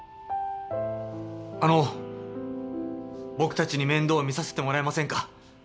あの僕たちに面倒を見させてもらえませんか？